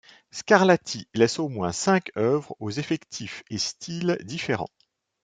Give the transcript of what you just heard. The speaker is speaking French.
Scarlatti laisse au moins cinq œuvres aux effectifs et styles différents.